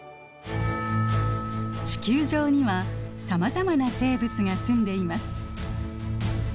地球上にはさまざまな生物がすんでいます。